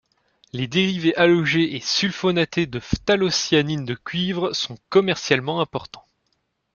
Les dérivés halogés et sulfonatés de phtalocyanines de cuivre sont commercialement importants.